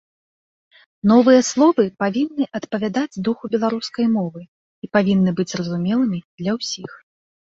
Новыя словы павінны адпавядаць духу беларускай мовы і павінны быць зразумелымі для ўсіх.